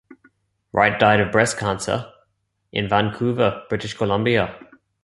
Wright died of breast cancer in Vancouver, British Columbia.